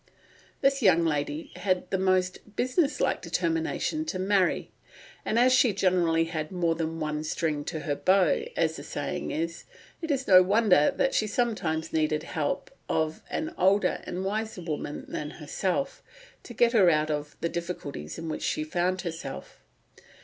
This young lady had a most "business like determination to marry"; and as she generally had more than one string to her bow, as the saying is, it is no wonder that she sometimes needed the help of an older and wiser woman than herself, to get her out of the difficulties in which she found herself.